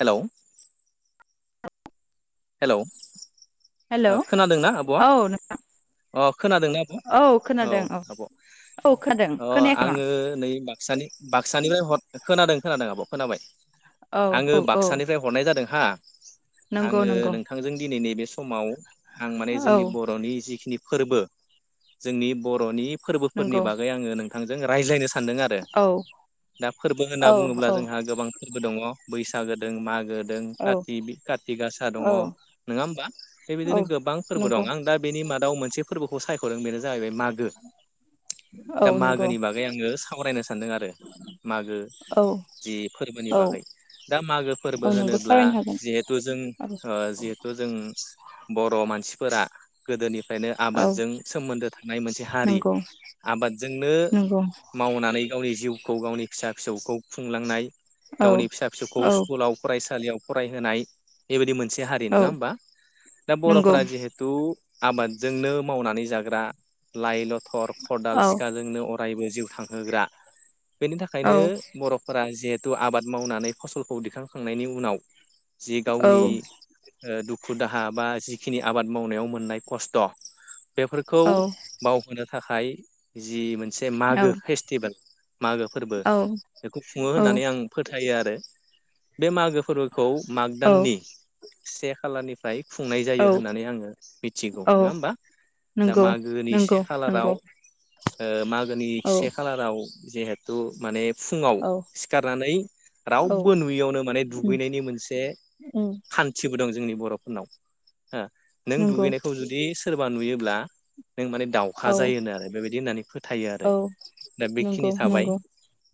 Hello. Hello. Hello खोनादोंना आब'आ औ अ खोनादोंना आब'औ औ खोनादों औ आब' औ खोनादों अ खोनायाखै मा आङो नै बाक्सानि बाक्सानिफ्राय हर खोनादों खोनादों आब' खोनाबाय। औ औ आङो औ बाक्सानिफ्राय हरनाय जादों हा। [inaudible] नंगौ आङो नंगौ। नोंथांजों दिनै नैबे समाव। आं माने औ जोंनि बर'नि जिखिनि फोरबो जोंनि बर'नि। फोरबोफोरनि नंगौ बागै आङो नों नोंथां जों रायज्लायनो सान सानदों आरो औ दा फोरबो होनना औ बुङोब्ला औ जोंहा गोबां फोरबो दङ। बैसागो दों मागो दों औ काति बि काति कागासा दङ। औ नङा होमबा औ बेबायदिनो गोबां फोरबो नंगौ दं आं दा बेनि मादाव मोन बे फोरबोखौ सायखदों बेनो जाहैबाय मागो औ दा नंगौ मागोनि बागै आङो सावरायनो सानदों आरो मागो औ जि फोरबोनि बागै दा मागो फोरबो औ नंगौ होनोब्ला सावरायनो हागोन जिहेथु जों औ ओ जिहेथु जों बर' मानसि। फोर गोदोनि। ओखायनो औ आबादजों सोमोन्दो थानाय मोनसे हारि नंगौ आबादजोंनो नंगौ मावनानै गावनि जिउ खौ गावनि फिसा फिसौखौ खुंलांनाय। औ गावनि फिसा फिसौखौ औ सिकुलाव फरायसा सालियाव फरायहोनाय बेबायदि मोनसे नोङा औ होमबा दा नंगौ बर'फोरा जिहेथु आबादजोंनो मावनानै जाग्रा लाइ-लथ थर खदाल औ सिखाजोंनो अरायबो जिउ थांहोग्रा। बेनि औ थाखायनो बर'फोरा जेत जिथु आबाद मावनानै फसलखौ दिखांखांनायनि उनाव जि औ गावनि दुखु दाहा बा जिखिनि आबाद मावनायाव मोननाय खस्थ। बेफोरखौ औ औ बावहोनो थाखाय जि मोन से मागो फेस्टिभेल मागो फोरबो बेखौ खुङो औ होननानै आं फोथायो आर बे बे मागो फोरोखौ माग दाननि से खालानिफ्राय फुंनाय औ जायो होननानै आङो मिथिगौ औ नङा होमबा दा नंगौ मागोनि से नंगौ खालाराव नंगौ ओ मागोनि औ से खालाराव जेहेतु मानेब फुङाव औ सिखारनानै औ रावबो नुयैयावनो माने दुगैनायनि मोनसे हान्थिबो दं जोंनि बर'फोरनाव। हो नों नंगौ दुगैनायखौ जुदि सोरबा नुयोब्ला नों माने दावखा औ जायो होनो आरो बेबै दिहोननानै फोथायो आरो औ दा बेखिनि नंगौ थाबाय नंगौ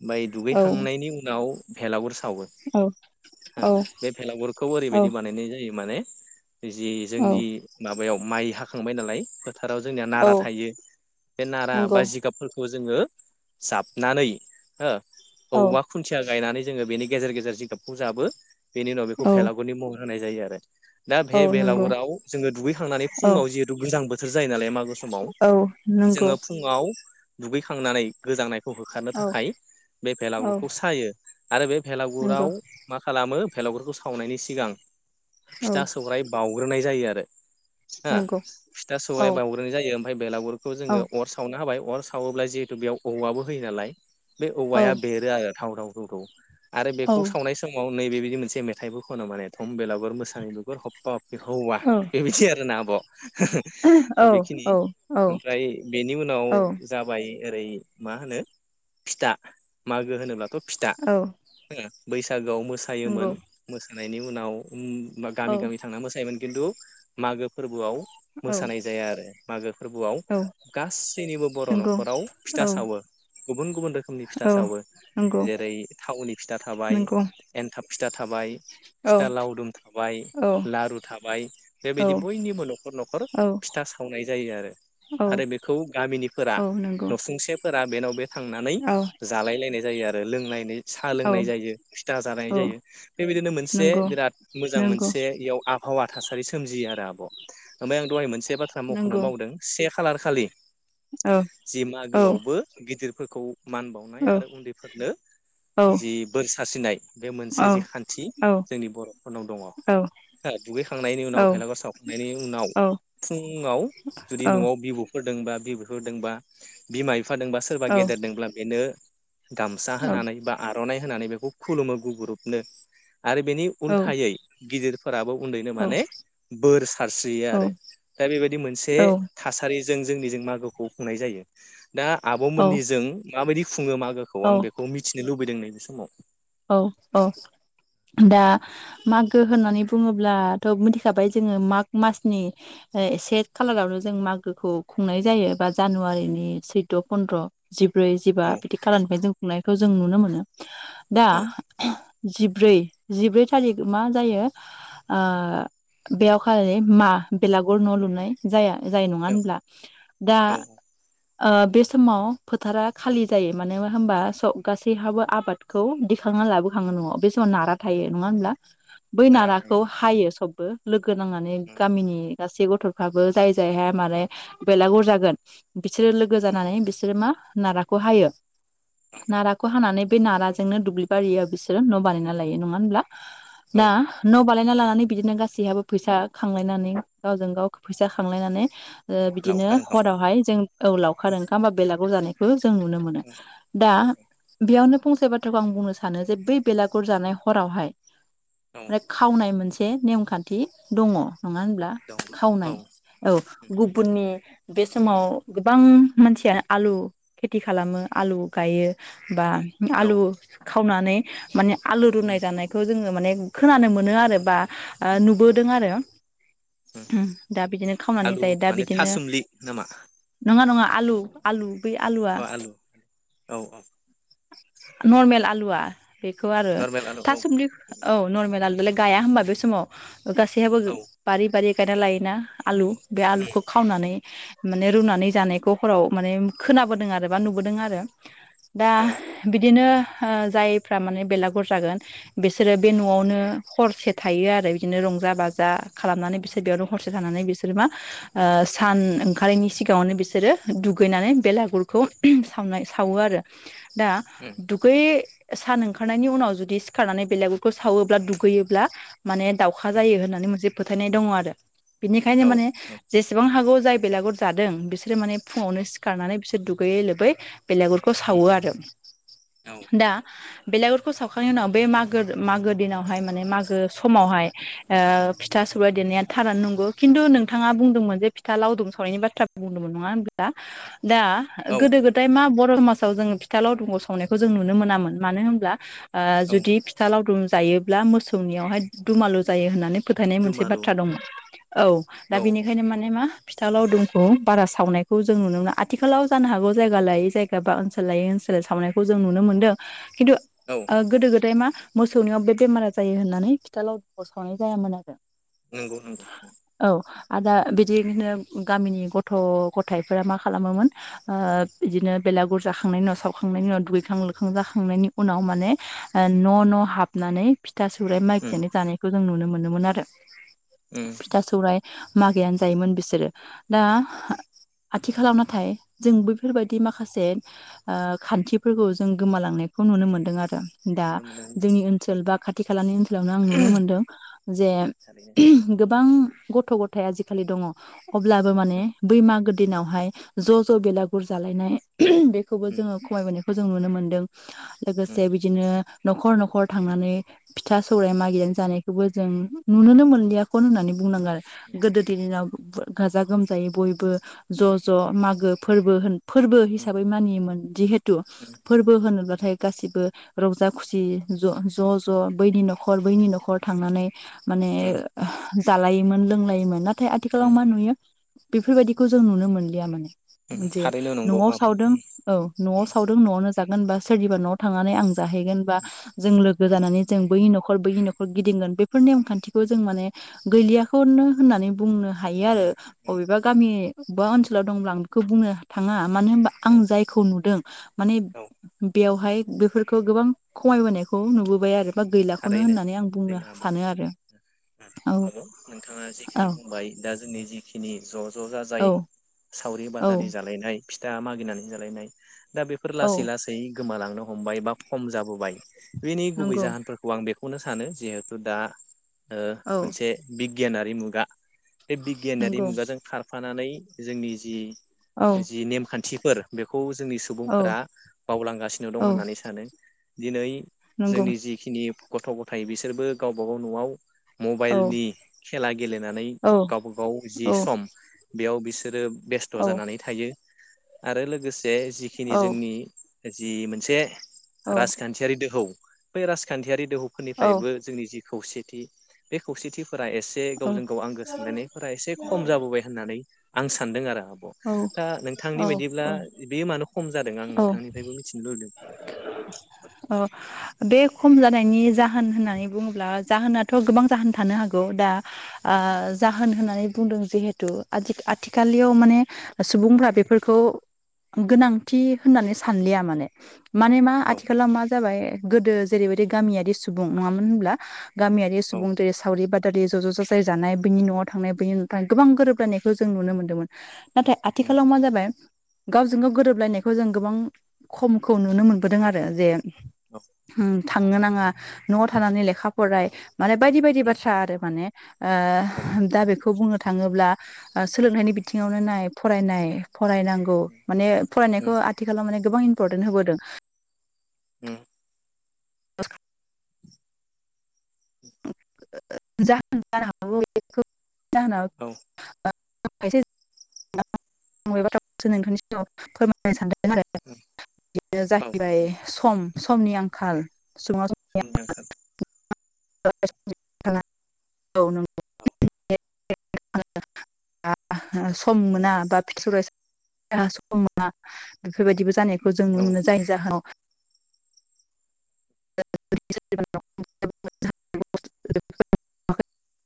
बाय औ दुगैखांनायनि उनाव पेलागुरस आवयो औ हो औ बे पेलागुरखौ औ ओरैबाय दि बानायनाय जायो माने एजे औ जोंनि माबायाव माइ हाखांबाय नालाय फोथाराव जोंनिया औ नारा थायो बे नारा नंगौ बा जिगाबफोरखौ जोङो जाबनानै हो औ औया खुन्थिया गायनानै जोङो बेनि गेजेर गेजेर जिगाबखौ जाबो बेनि उनाव बेखौ औ पेलागुरनि मं होनाय जायो आरो दा औ बे नंगौ बेलागुराव जोङो दुगैखांनानै औ फुङाव जिहेतु गोजां बो सोर जायो नालाय माख गु समाव औ नंगौ जोङो फुङाव दुगैखांनानै गोजांनाय ह होखारनो औ थाखाय बे औ भेलाउरखौ सायो आरो बे नंगौ भेलागुराव मा खालामो फेलागुरखौ स आवनायनि सिगां औ फिथा सौराय बावउग्रोन नाय जायो आरो। फिथा नंगौ फिथा सौराइ औ बावउग्रोनाय जायो ओमफाय बेलागुर खौ औ जोङो अर सावनो होबाय अर सावोब्ला जिहेतु बेयाव औवाबो होयो नालाय बे औ औवाया बेरो आरो थाव-थाव थौ-थौ आरो औ बेखौ सावनाय समाव नैबे बि मोनसे मेथाइबो खनो माने खम बेलागुर मोसानाय बिगुर हफफा हफफि हौवा औ बेबायदि आरोना आब' दा औ बेखिनि औ औ ओमफ्राय बेनि उनाव औ जाबाय ओरै मा होनो फिथा मागो होनोब्ला थ' फिथा बैसागो बाव मोसायोमोन नंगौ मोसानाय बेनि उनाव ओम बा गामि औ गामि थांना मोसायोमोन खिन्थु मागो फोरबोआव औ औ मोसानाय जाया आरो। मागो फोरबोआव गासैनिबो बर' नंगौ न'खराव फिथा औ सावो। गुबुन गुबुन रोखोमनि फिथा औ सावो नंगौ जेरै थावनि फिथा थाबाय, नंगौ एन्थाब फिथा थाबाय औ फिथा लावदुम थाबाय, औ लारु थाबाय बेबायदि बयनिबो न'खर न'खर औ फिथा सावनाय जायो आरो औ आरो बेखौ गामिनिफोरा औ नंगौ नसुंसे फोरा बेनाव बे थांनानै औ जालाय लायनाय जायो आरो। लोंनाय साहा औ लोंनाय जायो, फिथा जानाय औ जायो बेबायदिनो मोनसे बे नंगौ बिराद मोजां नंगौ मोनसे एयाव आबहावा थासारि सोमजियो आरो आ ओमफ्राय आं दहाय मोनसे बाथ्रा मख'नो नंगौ बावदों से खालार खालि औ जि औ मागोयावबो गिदिर फोरखौ मान बावनाय औ आरो उन्दैफोरनो औ जि बोर सारसिनाय बे मोनसे जि औ खान्थि। औ जोंनि बर'फोरनाव औ दङ दुगैखांनायनि औ उनाव भेलागुर सावखांनायनि उनाव औ फुंङाव जुदि न'आव बिबु फोरदोंबा [unintelligible] बिमाय फादोंबा सोरबा औ गेदेर दोंब्ला बेनो गामसा होनानै बा आर'नाइ होनानै बे खौ खुलुमो गुगुरुबनो। आरो बेनि औ उल्थायै गिदिरफोराबो उनदैनो माने बोर सारस्रियो आरो दा बेबायदि मोनसे थासारि जों जोंनिजों मागोखौ खुंनाय जायो। दा आब मोननिजों माबायदि‌ खु खुङो मागोखौ आं औ बेखौ मिथि नो लुबैदों नैबे समाव। औ औ दा मागो होननानै बुङोब्लाथ' मिथिखाबाय जोङो माग मासनि ओ एसे खालारावनो जों मागोखौ खुंनाय जायो बा जानुवारिनि सैद' फनन्द्र'। जिब्रै जिबा औ बिदि खालामफ्राय जों खुंनायखौ जों नुनो मोनो। दा औ जिब्रै जिब्रै थारिख मा जायो ओ बेयावहाय मा बेलागुर न' लुनाय जाया। जायो नङा औ होनब्ला दा औ ओ बे समाव फोथारा खालि जायो मानो होनबा स गासैहाबो आबाद खौ दिखांना लाबोखाङो नवाव बे समाव नारा थायो नङा होनब्ला। बै नारा नाराखौ थायो हायो सब बो लोग गो नांनानै गामिनि गासै गथ'फ्राबो जाय जायहा मारे बेलागुर जागोन बिसोरो लोगो जानानै बिसोरो मा नाराखौ हायो नाराखौ हानानै बे नाराजो जोंनो दुब्लि बारियाव बिसोरो न' बानायना लायो नङा होनब्ला। औ दा न' बालाय ना लानानै बिदिनो गासैहाबबो फैसा खांलायनानै गावजों गाव फैसा खांलायनानै ओ बिदिनो लावखार ओंखाम हरावहाय जों औ लावखार ओंखाम बा बेलागुव जानाय [inaudible] जों नुनो मोनो दा औ बेयावनो फंसे बाथ थ्राखौ आं बुंनो सानो जे बै बेलागुर जानाय हरावहाय औ मने खावनाय मोनसे नेमखानथि दङ नङा होनब्ला? दं खावनाय औ औ। गुबुननि बे समाव गोबां मानसिया आलु खेथि खालामो आलु गायो बा औ आलु खावनानै माने आलु रुनाय जानायखौ जोङो माने खोनानो मोनो आरो बा ओ नुबोदों आरो ओम दा बिदिनो खावनानै आलु जायो दा माने बिदिनो थासुमलि नामा नङा नङा आलु आलु बै आलुवा अ आलु औ औ नर्मेल आलुवा बेखौ आरो नरमेल आलु औ थासुमलि औ नर्मेल आलु [unintelligible] गाया होमबा बे समाव। ओ गासैहाबो औ बारि बारि गायदा लायोना आलु। बे आलुखौ खावनानै माने रुनानै जानायखौ हराव माने खोनाबोदों आरो बा नुबोदों आरो। दा औ दिनो ओ जायफ्रा माने बेलागुर जागोन बिसोरो बे न'आवनो हरसे थायो आरो बिदिनो रंजा बाजा खालामनानै बिसोर बेयावनो हरसे थानानै बिसोरो मा ओ सान ओंखारैनि सिगाङावनो बिसोरो दुगैनानै बेलागुरखौ सावनाय सावो आरो। दा दुगै सान ओंखारनायनि उनाव जुदि सिखारनानै बेलागुरखौ सावोब्ला दुगैयोब्ला माने दाउखा जायो होननानै मोनसे फोथायनाय दङ आरो। बिनिखायनो औ माने जेसेबां हागौ जाय बेलागुर जादों बिसोरो माने फुङावनो सिखारनानै बिसोर दुगैयै लोबै बेलागुरखौ सावो आरो। दा बेलागुरखौ सावखांनायनि उनाव बे मागोर मागो दिनावहाय माने मागो समावहाय ओ फिथा सौराय देनाया थारानो नंगौ खिनथु नोंथाङा बुंदोंमोन जे फिथा लावदुम सावनायनि बाथ्रा बुंदोंमोन नङा होनब्ला। दा औ गोदो गोदाय मा बद [unintelligible] मासाव जोंङो फिथा लावदुमखौ सावनायखौ जों नुनो मोनामोन मानो होमब्ला ओ औ जुदि फिथा लावदुम जायोब्ला मोसौनियावहाय दुमालु जायो होननानै फोथायनाय मोनसे दुमालु बाथ्रा दंमोन औ दा औ औ बेनिखायनो माने मा फिथा लावदुम खौ बारा सावनायखौ जों नुनो मोना आथिखालाव जानो हागौ जायगा लायै जायगा बा ओनसोल लायै ओनसो सोल सावनायखौ जों नुनो मोनदों। खिनथु औ ओ गोदो गोदाय मा मोसौनियाव बे बेमारा जायो होननानै फिथा लाव खौ सावनाय जायामोन आरो नंगौ नंगौ औ। आ दा बिदिनो होनो गामिनि गथ' गथायाइफोरा मा खालामोमोन ओ बिदिनो बेलागुर जाखांनायनि उनाव साव खांनायनि उनाव दुगैखां लोखां जाखांनायनि उनाव माने ओ न' न' हाबनानै फि था सौराइ मागिनानै जानायखौ जों नुनो मोनोमोन आरो। नुनो फिथा सौराइ मागैयानो जायोमोन बिसोरो दा आथिखालाव नाथाय जों बैफोरबायदि माखासे ओ खान्थिफोरखौ जों गोमालांनायखौ नुनो मोन्दों आरो। दा मोनो जोंनि ओनसोल बा खाथि खालानि ओनसोलावनो आं नुनो मोनदों जे थारैनो गोबां गथ' गथाय आजिखालि दंङ अब्लाबो माने बैमागोद दिनावहाय ज' ज' बेलागुर जालायनाय बे जोंङो खमायबोनाय खौ जों नुनो मोनदों। लोगोसे बिदिनो नखर-नखर थांनानै फिथा सौराइ मागिनानै जानायखौबो जों नुुनोनो मोनलिया खनो होननानै बुंनांगो आरो गोदोनि दिनाव बो गाजा गोमजायै बयबो ज' ज' मागो फोरबो होन फोरबो हिसाबै मानियोमोन दिहेत थु फोरबो होनोब्ला थाय गासिबो रंजा खुसि ज-ज'ज' बैनि नखर बैनि नखर थांनानै माने दालायोमोन लोंलायोमोन ना थाय आथिखालाव मा नुयो बेफोरबायदिखौ जों नुनो मोनलिया माने जे थारैनो नंगौ न'आव आब' सावदों औ न'आव सावदों न'आवनो जागोन बा सोरनिबा न थांनानै आं जाहैगोन बा जों लोगो जानानै जों बै नख खर बैनि नखर गिदिंगोन बेफोर नेम खान्थिखौ जों माने गैलियाखौनो होननानै बुंनो हायो आरो अबेबा गामि बा ओनसोलाव दंब्ला आं बेखौ बुंनो थांङा मानो होनोमबा आं जायखौ नुद दों माने औ बेवहाय बेफोरखौ गोबां खमायबोनायखौ नुबो बाय आरो बा गैलाखौनो थारैनो होननानै आं बुंनो थारैनो आब' सानो आरो औ आब' औ खिनि ज ज ज औ जाय सावरि बादालि औ जालायनाय फिथा मागिनानै जालायनाय दा बेफोर औ लासै लासै गोमालांनो हमबाय बा खम जाबोबाय बि गुबै नंगौ जाहोनफोरखौ आं बे खौनो सानो जिहेथु दा ओ औ मोनसे बिग बि गियानारि मुगा बे बिगियानयारि नंगौ मुगाजों खारफानानै जोंनि जि औ जि नेमखान्थिफोर बेखौ जोंनि औ सुबुंफोरा बावलांगासिनो दं औ होननानै सानो दिनै नंगौ जोंनि जिखिनि गथ गथाय बिसोरबो गावबागाव नआव औ मबाइलनि खेला गेलेनानै औ गावबा गाव जि औ सम बेयाव बिसोरो बेस्थ औ जानानै थायो आरो लोगोसे जे जिखिनि औ जोंनि जि मोनसे औ राजखान्थियारि दोहौ बै राजखान्थियारि औ दोहौफोरनिफ्रायबो जोंनि जि खौसेथि बे खौसेथि फोर एसे गावजों गाव आंगो सानलायनायफोरा एसे खम जाबोबाय होननानै आं सान्दों आरो ओ नोंथांनि औ बायदिब्ला बे मानो खम जादों आं औ नोंथांनिफ्रायबो मिथिनो लुबैदों औ बे खम जानायनि जाहोन होननानै बुङोब्ला जाहोनाथ गोबां जाहोन थानो हागौ दा ओ जाहोन होननानै बुंदों जिहेथु आथि आथिखालिय माने सुबुंफोरा बेफोरखौ गोनां थि होननानै सानलिया माने माने मा औ आथिखालाव मा जाबाय गोदो जेरैबायदि गामियारि सुबुं नंङामोन होनब्ला? गामियारि औ सुबुंजों दे सावरि बाद दादि ज' ज' जाजाय जानाय बैनि न'आव थांनाय बनि न' थां गोबां गोरोबलायनायखौ जों नुनो मोनदोंमोन। नाथाय उम आथिखालाव मा जाबाय गावजों गाव गोरोबलायनाय खौ जों गोबां खमखौ नुनो मोनबोदों आरो जे औ होम थांनो नांङा न'आव थानानै लेखा फराय माने बायदि बायदि उम बाथ्रा आरो माने ओ औ दा बेखौ बुंनो थांङोब्ला ओ सोलोंनायनि बिथिंङावनो नाय फरायनाय फरायनांगौ माने फरायनाय खौ उम आथिखालाव माने गोबां इम्परटेन्ट होबोदों। उम [unintelligible] जा जानो हागौ बेखौ जाहोनाव औ ओ [unintelligible] नोंथांनि सिगांङाव फोरमायनो सानदों आरो। उम बिदिनो औ जाहैबाय सम समनि आंखाल सुंङांव समनि आंखाल [unintelligible] हो औ सम उम मोना बा फि [unintelligible] सम मोना बेफोरबायदिबो जानाय खौ जों औ नुनो मोनो जायनि जाहोनाव [unintelligible]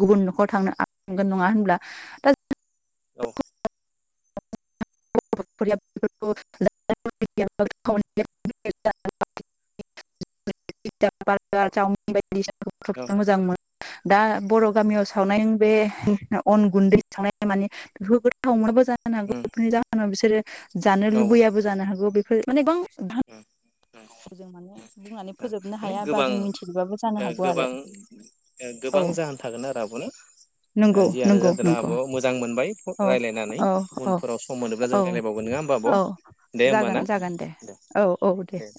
गुबुन न'खराव थांनो हांगोन नंङा होनब्ला दा जों औ [unintelligible] दि सिनाखौ औ खोबनो मोजां मोन दा बर' गामियाव सावनाय नों बे अन गुन्दै सावनाय माने बेफो गोथाव मोलबा जानो उम फोरनि जाहोनाव बिसोरो जानो औ लुबैयाबो जानो हागौ बेफोर माने बां दान उम उम जों माने बुंनानै फोजोबनो माने हाया बा गोबां जों मिथिजोबाबो जानो ओ हागौ आरो गोबां औ गोबां जाहोन थागोन आरो आब'नो ओ नंगौ जियानो नंगौ जादोंला नंगौ आब' मोजां मोनबाय फ औ रायजलायनानै औ औ उनफोराव सम मोनोब्ला औ जों राय्लायबावगोन नंङा होमबा आब'? औ दे होमब जागोन ना जागोन दे औ औ दे